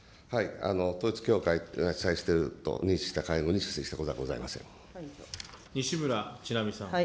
統一教会が主催していると認識した会合に出席したことはござ西村智奈美さん。